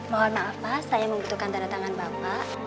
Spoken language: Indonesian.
mohon maaf pak saya membutuhkan tanda tangan bapak